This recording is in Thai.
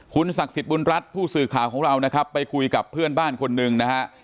คุณศักดิ์สิทธิ์บุญรัฐผู้สื่อข่าวของเรานะครับไปคุยกับเพื่อนบ้านคนหนึ่งนะฮะ